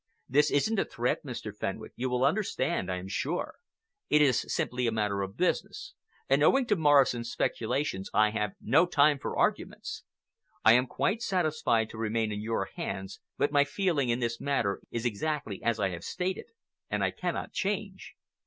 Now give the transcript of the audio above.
This isn't a threat, Mr. Fenwick,—you will understand that, I am sure. It is simply a matter of business, and owing to Morrison's speculations I have no time for arguments. I am quite satisfied to remain in your hands, but my feeling in the matter is exactly as I have stated, and I cannot change.